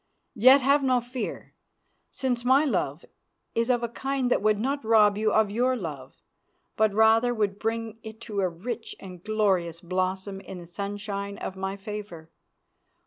Yet have no fear, since my love is of a kind that would not rob you of your love, but rather would bring it to a rich and glorious blossom in the sunshine of my favour.